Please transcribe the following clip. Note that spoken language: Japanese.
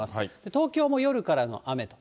東京も夜からの雨と。